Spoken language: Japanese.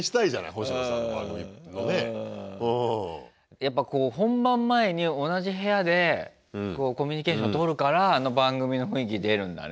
やっぱ本番前に同じ部屋でコミュニケーションとるからあの番組の雰囲気出るんだね。